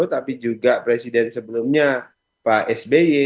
tapi juga presiden sebelumnya pak sby